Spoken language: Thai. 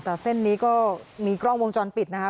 แต่เส้นนี้ก็มีกล้องวงจรปิดนะคะ